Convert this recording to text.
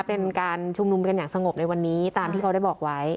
เป็นการชุมนุมกันอย่างสงบในวันนี้ตามที่เขาได้บอกไว้